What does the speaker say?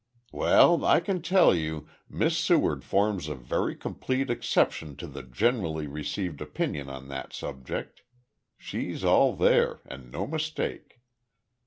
"Well I can tell you, Miss Seward forms a very complete exception to the generally received opinion on that subject. She's all there, and no mistake."